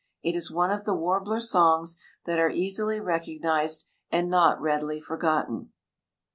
It is one of the warbler songs that are easily recognized and not readily forgotten.